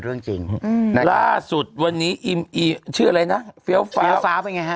เรื่องจริงอืมล่าสุดวันนี้อีชื่ออะไรนะฟิลฟาฟิลอสาฟไงฮะ